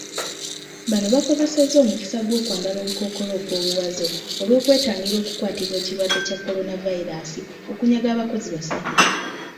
Bano bakosesezza omukisa gw'okwambala obukookolo okw'obuwaze olw'okwetangira okukwatibwa ekirwadde kya Kolanavayiraasi okunyaga abakozi basatu.